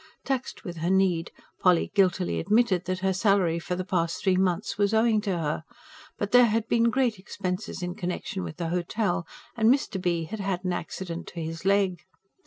Taxed with her need, Polly guiltily admitted that her salary for the past three months was owing to her. But there had been great expenses in connection with the hotel; and Mr. B. had had an accident to his leg.